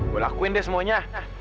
gue lakuin deh semuanya